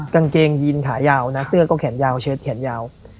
กางเกงยินขายาวนะเสื้อก็แขนยาวเชิดแขนยาว